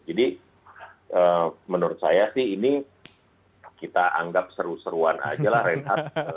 jadi menurut saya sih ini kita anggap seru seruan aja lah renat